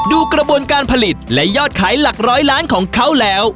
ดูกระบวนการผลิตและยอดขายหลักร้อยล้านของเขาแล้ว